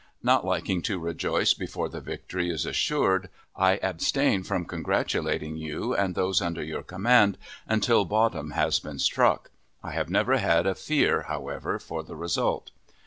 Not liking to rejoice before the victory is assured, I abstain from congratulating you and those under your command, until bottom has been struck. I have never had a fear, however, for the result.